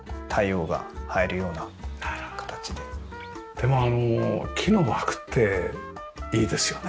でもあの木の枠っていいですよね。